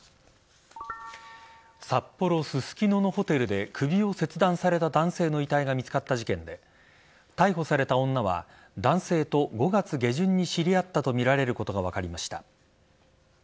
札幌・ススキノのホテルで首を切断された男性の遺体が見つかった事件で逮捕された女は男性と、５月下旬に知り合ったとみられることが分かりました。